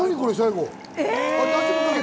最後！